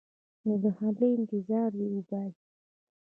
نو د حملې انتظار دې وباسي.